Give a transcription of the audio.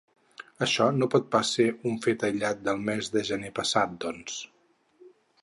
Això no pot pas ser un fet aïllat del mes de gener passat, doncs.